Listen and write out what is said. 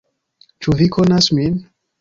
Ĉu vi konas min?